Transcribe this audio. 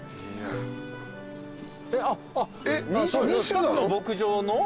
２つの牧場の？